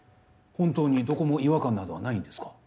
本当にどこも違和感などはないんですか？